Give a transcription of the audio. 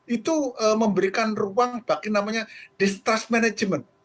itu memberikan ruang bagi namanya distrust management